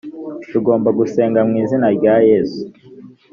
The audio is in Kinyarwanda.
tugomba gusenga mu izina rya yesu